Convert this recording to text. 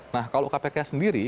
nah kalau kpk sendiri